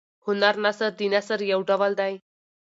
هنر نثر د نثر یو ډول دﺉ.